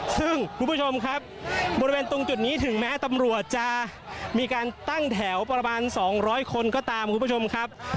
ซึ่งคุณผู้ชมครับบริเวณตรงจุดนี้ถึงแม้ตำรวจจะมีการตั้งแถวประมาณ๒๐๐คนก็ตามคุณผู้ชมครับ